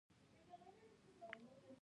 باید له ټولو مخکې منظم کاري پلان ولرو.